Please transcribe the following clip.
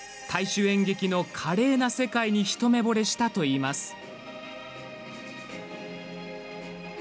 大衆演劇の華麗な世界に一目ぼれしたといいます。